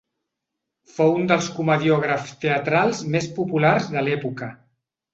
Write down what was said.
Fou un dels comediògrafs teatrals més populars de l'època.